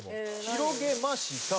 広げました。